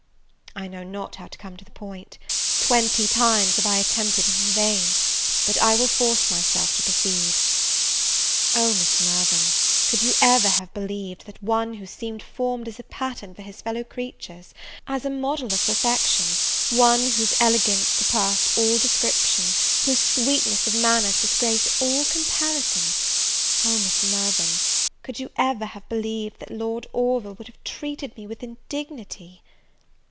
I know not how to come to the point; twenty times have I attempted it in vain; but I will force myself to proceed. Oh, Miss Mirvan, could you ever have believed, that one who seemed formed as a pattern for his fellow creatures, as a model of perfection, one whose elegance surpassed all description, whose sweetness of manners disgraced all comparison; oh, Miss Mirvan, could you ever have believed that Lord Orville, would have treated me with indignity?